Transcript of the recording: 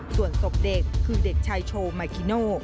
ส่วนศพเด็กคือเด็กชายโชมาคิโน